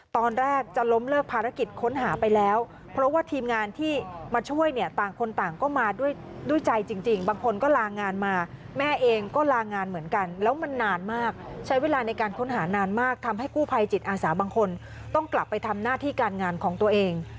ตอนแรกจะล้มเลิกภารกิจค้นหาไปแล้วเพราะว่าทีมงานที่มาช่วยเนี่ยต่างคนต่างก็มาด้วยใจจริงบางคนก็ลางานมาแม่เองก็ลางานเหมือนกันแล้วมันนานมากใช้เวลาในการค้นหานานมากทำให้กู้ภัยจิตอาสาบางคนต้องกลับไปทำหน้าที่การงานของตัวเอง